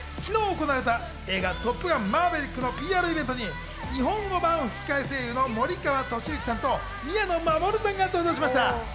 昨日行われた映画『トップガンマーヴェリック』のＰＲイベントに日本語版吹き替え声優の森川智之さんと宮野真守さんが登場しました。